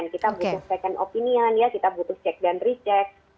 kita butuh second opinion ya kita butuh cek dan recheck